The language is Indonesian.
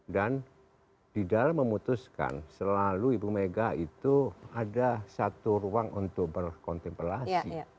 dan di dalam memutuskan selalu ibu mega itu ada satu ruang untuk berkontemplasi